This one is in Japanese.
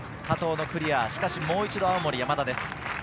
加藤のクリア、しかしもう一度青森山田です。